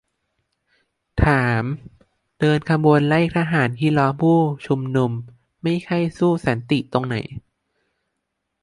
ถาม : เดินขบวนไล่ทหารที่ล้อมผู้ชุมนุมไม่ใช่สู้สันติตรงไหน ?